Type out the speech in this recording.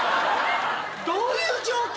どういう状況？